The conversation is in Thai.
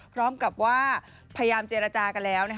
พร้อมกับว่าพยายามเจรจากันแล้ว